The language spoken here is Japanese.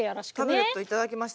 タブレット頂きました。